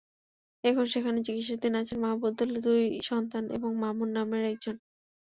এখন সেখানে চিকিৎসাধীন আছেন মাহমুদুলের দুই সন্তান এবং মামুন নামের একজন।